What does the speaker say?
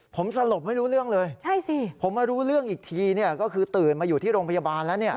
ผมสลบไม่รู้เรื่องเลยผมมารู้เรื่องอีกทีเนี่ยก็คือตื่นมาอยู่ที่โรงพยาบาลแล้วเนี่ย